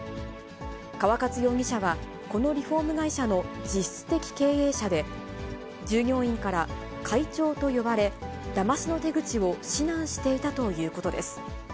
川勝容疑者は、このリフォーム会社の実質的経営者で、従業員から会長と呼ばれ、だましの手口を指南していたということです。